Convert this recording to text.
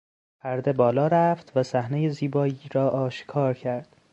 پرده بالا رفت و صحنهی زیبایی را آشکار کرد.